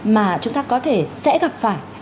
mà chúng ta có thể sẽ gặp phải